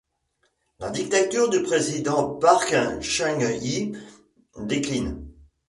La dictature du président Park Chung-hee décline.